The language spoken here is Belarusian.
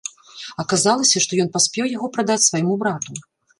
Аказалася, што ён паспеў яго прадаць свайму брату.